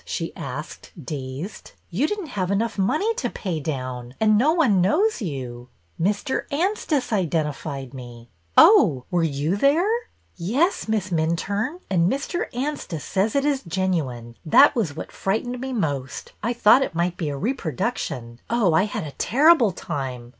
'' she asked, dazed. " You did n't have enough money to pay down, and no one knows you —"" Mr. Anstice identified me." " Oh, were you there ?" "Yes, Miss Minturne; and Mr. Anstice says it is genuine. That was what frightened me most. I thought it might be a reproduction. Oh, I had a terrible time